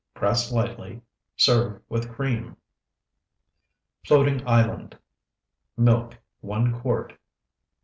Press lightly. Serve with cream. FLOATING ISLAND Milk, 1 quart.